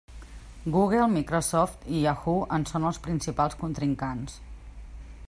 Google, Microsoft i Yahoo en són els principals contrincants.